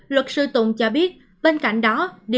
luật sư tùng cho biết bên cạnh đó